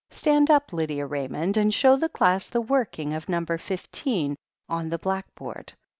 Stand up, Lydia Raymond, and show the class the working of No. 15 on the black* board.